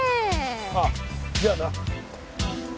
ああじゃあな。